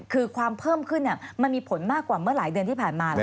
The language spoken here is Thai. คือความเพิ่มขึ้นมันมีผลมากกว่าเมื่อหลายเดือนที่ผ่านมาแล้ว